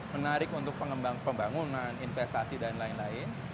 menarik untuk pengembang pembangunan investasi dan lain lain